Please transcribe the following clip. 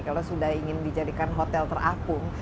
kalau sudah ingin dijadikan hotel terapung